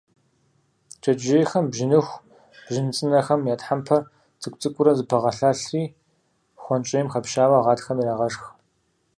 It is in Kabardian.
Джэджьейхэм бжьыныху, бжьын цӀынэхэм я тхьэмпэр цӀыкӀу-цӀыкӀуурэ зэпагъэлъэлъри, хуэнщӀейм хэпщауэ гъатхэм ирагъэшх.